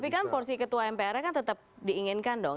tapi kan porsi ketua mpr nya kan tetap diinginkan dong